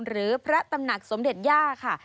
หรือพระตำหนักสมเด็จย่าค่ะ